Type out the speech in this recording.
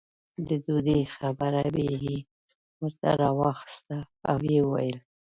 د ډوډۍ خبره یې ورته راواخسته او یې وویل.